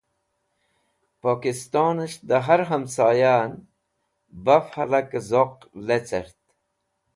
Pokistones̃h De har Hamsoyahen Baf halake Zoq lecert